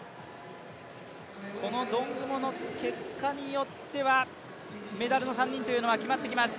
このドングモの結果によっては、メダルの３人が決まってきます。